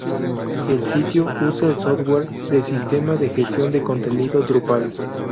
El sitio usa el "software" de sistema de gestión de contenido Drupal.